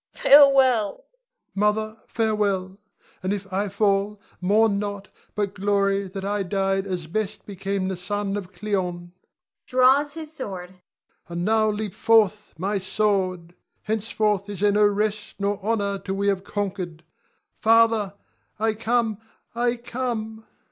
Farewell! Ion. Mother, farewell! And if I fall, mourn not, but glory that I died as best became the son of Cleon [draws his sword]. And now leap forth, my sword! henceforth is there no rest nor honor till we have conquered. Father, I come, I come!